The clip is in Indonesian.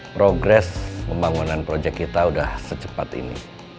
progres pembangunan project kita udah secepat ini